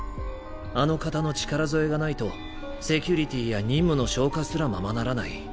あの方の力添えがないとセキュリティーや任務の消化すらままならない。